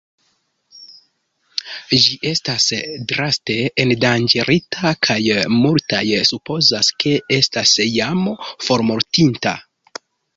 Ĝi estas draste endanĝerita kaj multaj supozas, ke estas jam formortinta.